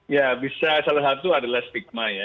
ya bisa salah satu adalah stigma ya